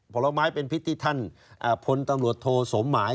ผลไม้เป็นพิษที่ท่านพลตำรวจโทสมหมาย